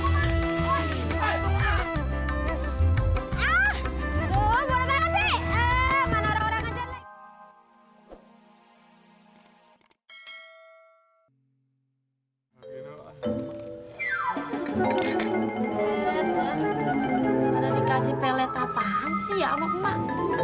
padahal dikasih pelet apaan sih ya sama emak